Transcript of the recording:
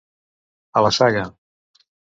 A la saga.